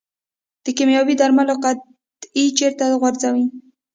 د کیمیاوي درملو قطۍ چیرته غورځوئ؟